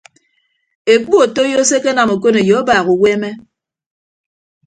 Ekpu otoiyo se ekenam okoneyo abaak uweeme.